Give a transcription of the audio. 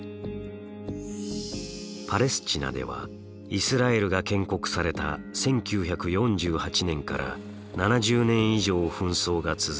パレスチナではイスラエルが建国された１９４８年から７０年以上紛争が続いています。